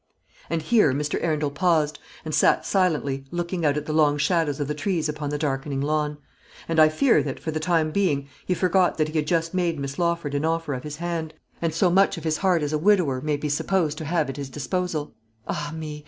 And here Mr. Arundel paused, and sat silently, looking out at the long shadows of the trees upon the darkening lawn; and I fear that, for the time being, he forgot that he had just made Miss Lawford an offer of his hand, and so much of his heart as a widower may be supposed to have at his disposal. Ah me!